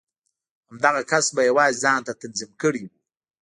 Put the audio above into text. همدغه کس په يوازې ځان تنظيم کړی و.